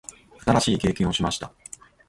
新しい経験をしました。